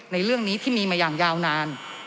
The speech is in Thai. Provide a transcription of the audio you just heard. ในเรื่องนี้ที่มีมาอย่างยาวนาน